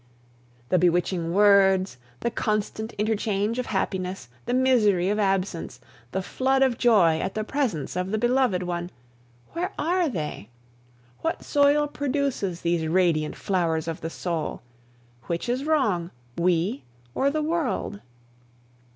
The bewitching words, the constant interchange of happiness, the misery of absence, the flood of joy at the presence of the beloved one where are they? What soil produces these radiant flowers of the soul? Which is wrong? We or the world?